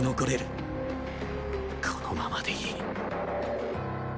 このままでいい